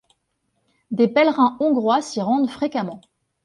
Des pèlerins hongrois s'y rendent fréquemment.